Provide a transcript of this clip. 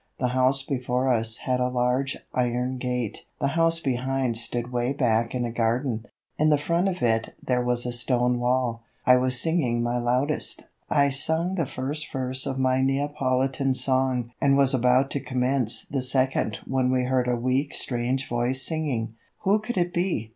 The house before us had a large iron gate; the house behind stood way back in a garden. In the front of it there was a stone wall. I was singing my loudest. I sung the first verse of my Neapolitan song and was about to commence the second when we heard a weak strange voice singing. Who could it be?